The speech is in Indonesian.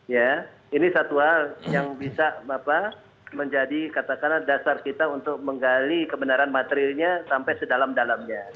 ya ini satu hal yang bisa menjadi katakanlah dasar kita untuk menggali kebenaran materinya sampai sedalam dalamnya